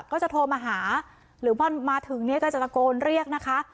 ก็จะโทรมาหาหรือพอมาถึงเนี่ยก็จะตะโกนเรียกนะคะ